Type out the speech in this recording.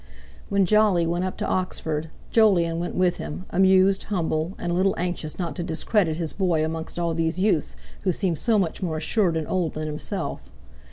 When Jolly went up to Oxford, Jolyon went up with him, amused, humble, and a little anxious not to discredit his boy amongst all these youths who seemed so much more assured and old than himself.